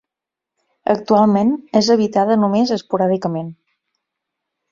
Actualment és habitada només esporàdicament.